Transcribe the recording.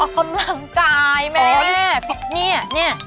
ออกกำลังกายแม่ฟิตเนี่ยเนี่ย